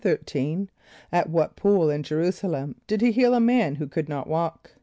= At what pool in J[+e] r[u:]´s[+a] l[)e]m did he heal a man who could not walk?